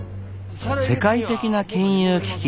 世界的な金融危機